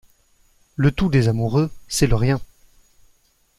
Le tout des amoureux, c’est le rien.